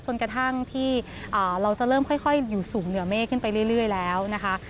จนกระทั่งที่เราจะเริ่มค่อยอยู่สูงเหนือเมฆขึ้นไปเรื่อยแล้วนะคะ